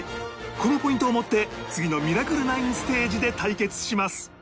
このポイントを持って次の『ミラクル９』ステージで対決します